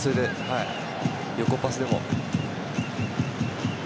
横パスでも。